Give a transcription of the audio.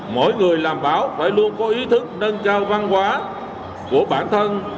mỗi người làm báo phải luôn có ý thức nâng cao văn hóa của bản thân